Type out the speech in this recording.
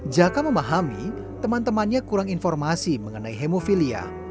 jaka memahami teman temannya kurang informasi mengenai hemofilia